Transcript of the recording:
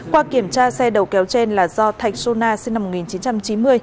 qua kiểm tra xe đầu kéo trên là do thạch suna sinh năm một nghìn chín trăm chín mươi